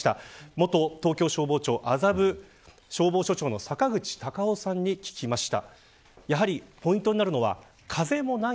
元東京消防庁麻布消防署長の坂口隆夫さんに聞きました。